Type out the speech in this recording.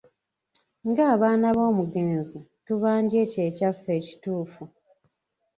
Nga abaana b'omugenzi, tubanja ekyo ekyaffe ekituufu.